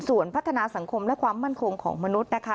ส่วนพัฒนาสังคมและความมั่นคงของมนุษย์นะคะ